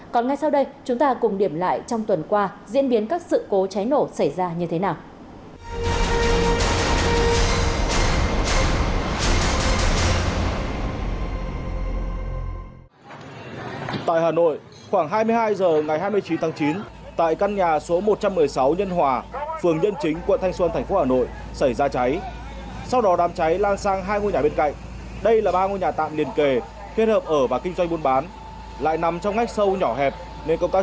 còn ngay sau đây chúng ta cùng điểm lại trong tuần qua diễn biến các sự cố trái nổ xảy ra như thế nào